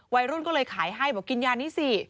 วัยรุ่นก็เลยขายให้บอกกินยานี้สิ